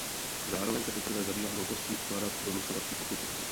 Zároveň se poprvé zabývá možností ukládat donucovací pokuty.